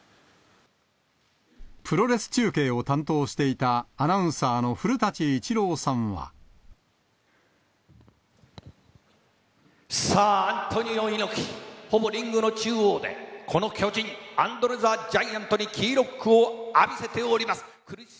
プロレス中継を担当していたさあ、アントニオ猪木、ほぼリングの中央で、この巨人、アンドレ・ザ・ジャイアントにキーロックを浴びせております。